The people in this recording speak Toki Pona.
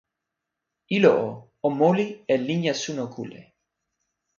ilo o, o moli e linja suno kule.